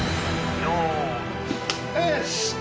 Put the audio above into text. よし！